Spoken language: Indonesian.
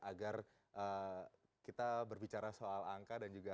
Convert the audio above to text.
agar kita berbicara soal angka dan juga